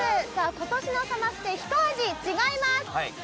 今年のサマステひと味違います。